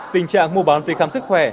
tình trạng mua bán giấy khám sức khỏe